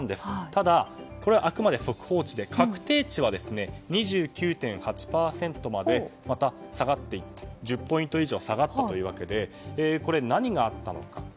ただ、これはあくまで速報値で確定値は２９．８％までまた下がっていると１０ポイント以上下がったということで何があったのか。